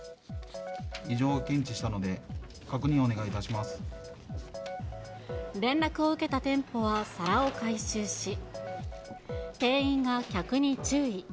異常を検知したので、確認を連絡を受けた店舗は皿を回収し、店員が客に注意。